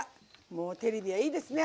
もうテレビはいいですね